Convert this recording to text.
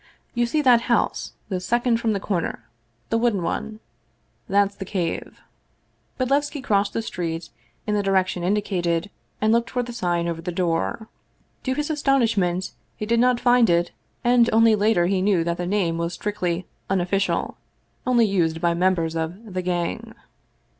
" You see that house, the second from the corner? The wooden one? That's the Cave." Bodlevski crossed the street in the direction indicated, and looked for the sign over the door. To his astonish ment he did not find it and only later he knew that the name was strictly " unofficial," only used by members of " the gang."